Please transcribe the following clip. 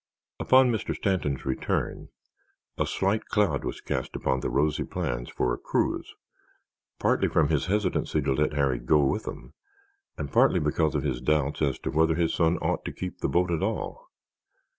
Upon Mr. Stanton's return a slight cloud was cast upon the rosy plans for a cruise, partly from his hesitancy to let Harry go with them and partly because of his doubts as to whether his son ought to keep the boat at all.